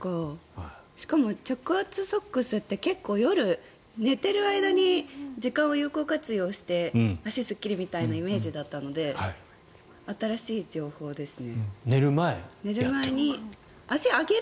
しかも着圧ソックスって結構、夜寝ている間に時間を有効活用して足すっきりみたいなイメージだったので新しい情報ですね。